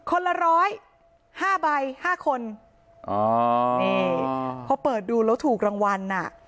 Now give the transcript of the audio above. คนละร้อย๕ใบ๕คนพอเปิดดูแล้วถูกรางวัล